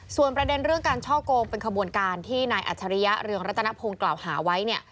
ส่วนประเด็นเรื่องการช่อโกงเป็นขบวนการที่นายอัจฉริยะเรืองรัตนพงศ์กล่าวหาไว้เนี่ย